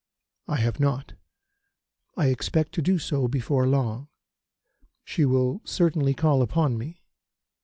"I have not. I expect to do so before long. She will certainly call upon me."